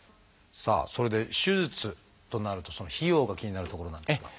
さあそれで手術となるとその費用が気になるところなんですが。